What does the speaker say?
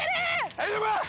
大丈夫？